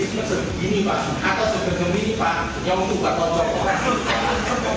janganlah itu menjadikan suatu senjata menyelamatkan saya pak tadi itu kan setara tidak langsung pak